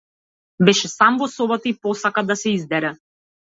Беше сам во собата, и посака да се издере.